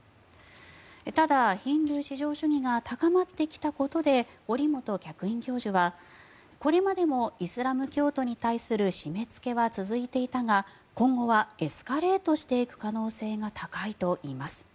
ただ、ヒンドゥー至上主義が高まってきたことで堀本客員教授はこれまでもイスラム教徒に対する締めつけは続いていたが今後はエスカレートしていく可能性が高いといいます。